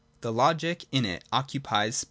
The Logic in it occupies pp.